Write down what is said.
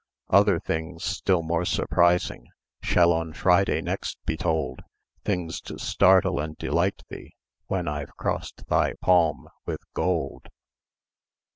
Other things still more surprising Shall on Friday next be told, Things to startle and delight thee, When I've crossed thy palm with gold.